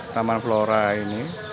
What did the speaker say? taman flora ini